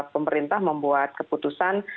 pemerintah membuat keputusan